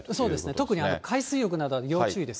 特に海水浴などは要注意です。